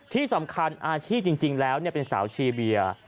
ที่สำคัญอาชีพจริงแล้วเป็นสาวชีเบียร์